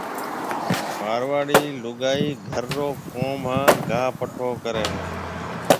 مارواڙي لوگائي گھر رو ڪوم ھان گاھ پٺو ڪرَي ھيَََ